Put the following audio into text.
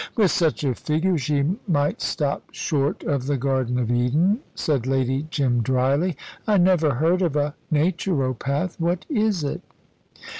"With such a figure she might stop short of the Garden of Eden," said Lady Jim, dryly. "I never heard of a Naturopath. What is it?"